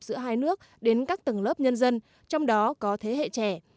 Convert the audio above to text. giữa hai nước đến các tầng lớp nhân dân trong đó có thế hệ trẻ